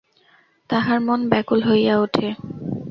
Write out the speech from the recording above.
তাহার মন ব্যাকুল হইয়া ওঠে।